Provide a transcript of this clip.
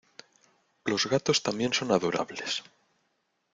Los gatos también son adorables.